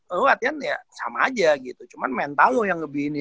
oh latihan ya sama aja gitu cuman mental lo yang ngebi ini